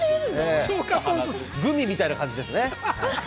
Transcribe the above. グミみたいな感じですね。